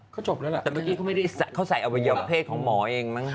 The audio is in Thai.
เขาใช้เอาไปยาวโพรเทศของหมอเองบ้าง